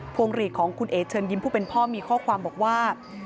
วงหลีดของคุณเอ๋เชิญยิ้มผู้เป็นพ่อมีข้อความบอกว่า